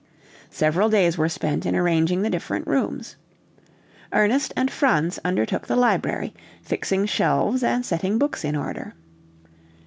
Several days were spent in arranging the different rooms. Ernest and Franz undertook the library, fixing shelves, and setting books in order.